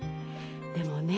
でもね